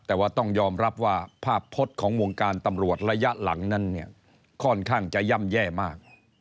แต่ว่าต้องยอมรับว่าภาพพจน์ของวงการตำรวจระยะหลังนั้นเนี่ยค่อนข้างจะย่ำแย่มาก